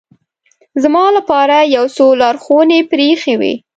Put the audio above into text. زما لپاره یو څو لارښوونې پرې اېښې وې.